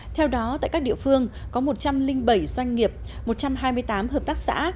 theo đó tại các địa phương có một trăm linh bảy doanh nghiệp một trăm hai mươi tám hợp tác xã